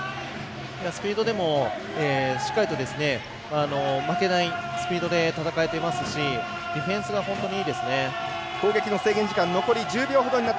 スピードでも、しっかりと負けないスピードで戦えていますしディフェンスが本当にいいですね。